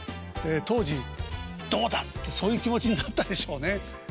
当時「どうだ」ってそういう気持ちになったでしょうね。